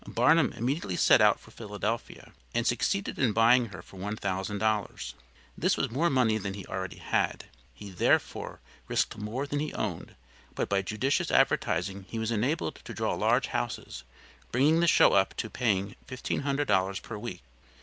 Barnum immediately set out for Philadelphia, and succeeded in buying her for $1,000. This was more money than he already had; he, therefore, risked more than he owned, but by judicious advertising he was enabled to draw large houses, bringing the show up to paying $1,500 per week.